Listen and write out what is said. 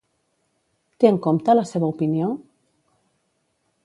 Té en compte la seva opinió?